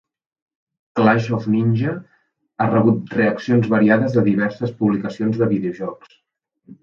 "Clash of Ninja" ha rebut reaccions variades de diverses publicacions de videojocs.